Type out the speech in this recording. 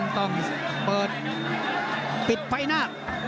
ต้องเปิดปิดไฟหน้า